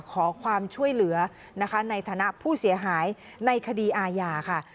ขอความช่วยเหลือนะคะในฐานะผู้เสียหายในคดีอาญาค่ะ